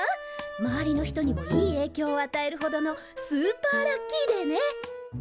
周りの人にもいいえいきょうを与えるほどのスーパーラッキーデーね。